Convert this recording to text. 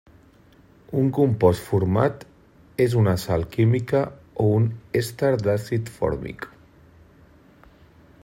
Un compost format és una sal química o un èster d'àcid fòrmic.